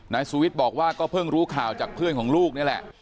นายสุวิทย์บอกว่าก็เพิ่งรู้ข่าวจากเพื่อนของลูกนี่แหละ